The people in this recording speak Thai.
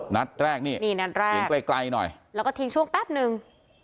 นัดแรกนี่นี่นัดแรกยิงไกลไกลหน่อยแล้วก็ทิ้งช่วงแป๊บนึง